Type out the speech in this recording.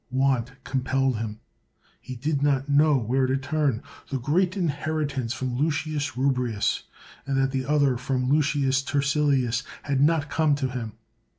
Want com pelled him ; he did not know where to turn. That great inheritance from Lucius Rubrius, and that other from Lucius Turselius, had not yet come to him.